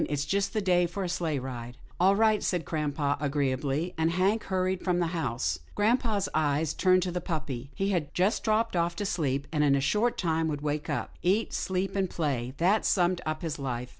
It's just the day for a sleighride." " All right," said grampa agreeably, and Hank hurried from the house. Grampa's eyes turned to the puppy. He had just dropped off to sleep, and in a short time would wake up. Eat, sleep and play, that summed up his life.